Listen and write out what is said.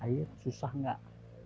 air susah nggak